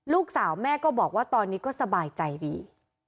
ลูกสาวแม่ก็บอกว่าตอนนี้ก็สบายใจดี